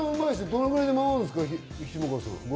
どのぐらいでまわるんですか？